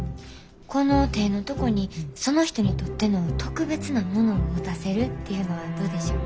この手のとこにその人にとっての特別なものを持たせるっていうのはどうでしょう？